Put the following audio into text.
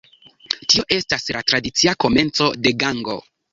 Tio estas la tradicia komenco de Gango.